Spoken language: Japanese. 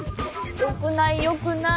よくないよくない。